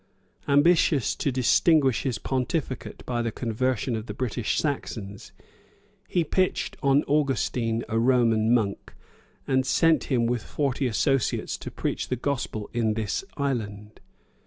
Ambitious to distinguish his pontificate by the conversion of the British Saxons, he pitched on Augustine, a Roman monk, and sent him with forty associates to preach the gospel in this island.